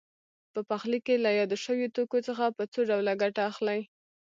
په پخلي کې له یادو شویو توکو څخه په څو ډوله ګټه اخلي.